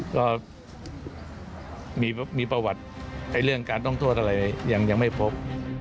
ก็มีประวัติเรื่องการต้องโทษอะไรยังไม่พบ